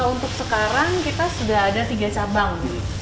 untuk sekarang kita sudah ada tiga cabang